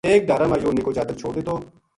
ایک ڈھارا ما یوہ نِکو جاتک چھوڈ دِتو